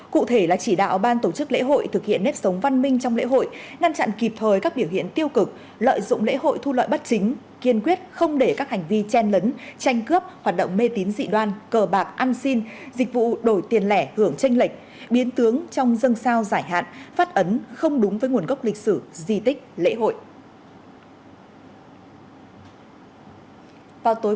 cụ thể là chỉ đạo ban tổ chức lễ hội thực hiện nếp sống văn minh trong lễ hội ngăn chặn kịp thời các biểu hiện tiêu cực lợi dụng lễ hội thu loại bất chính kiên quyết không để các hành vi chen lấn tranh cướp hoạt động mê tín dị đoan cờ bạc ăn xin dịch vụ đổi tiền lẻ hưởng tranh lệch biến tướng trong dân sao giải hạn phát ấn không đúng với nguồn gốc lịch sử dì tích lễ hội